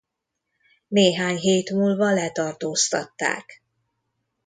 Néhány hét múlva letartóztatták.